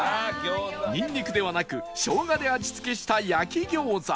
にんにくではなく生姜で味付けした焼き餃子